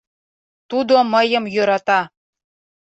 Тудо мыйым йӧрата.